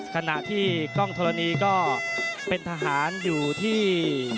ขณะที่กล้องธรณีก็เป็นทหารอยู่ที่